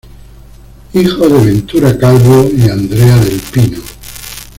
Hijo de Ventura Calvo y Andrea del Pino.